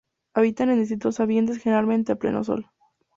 Habita en distintos ambientes, generalmente a pleno sol.